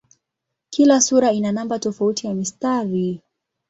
Kila sura ina namba tofauti ya mistari.